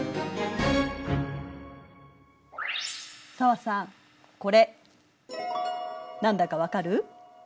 紗和さんこれ何だか分かる？